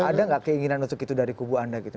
ada nggak keinginan untuk itu dari kubu anda gitu